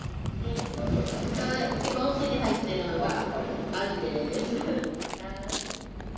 今奥に入ってるのがアジです。